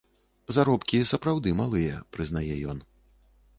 Заробкі сапраўды малыя, прызнае ён.